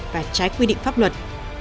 và trái quy định pháp luật